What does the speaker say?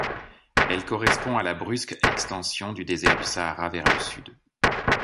Elle correspond à la brusque extension du désert du Sahara vers le Sud.